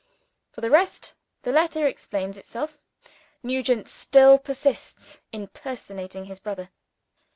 For the rest, the letter explains itself. Nugent still persists in personating his brother.